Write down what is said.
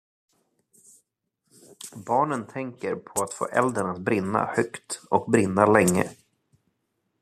Barnen tänker på att få elden att brinna högt och brinna länge.